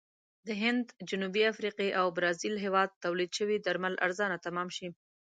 د هند، جنوبي افریقې او برازیل هېواد تولید شوي درمل ارزانه تمام شي.